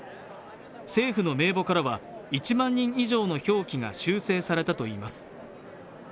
政府の名簿からは、１万人以上の表記が修正されたといいます。